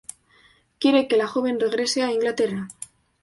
Quiere que la joven regrese a Inglaterra.